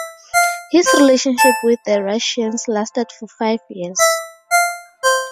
His relationship with the Russians lasted for five years.